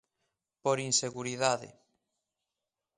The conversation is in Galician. Por inseguridade.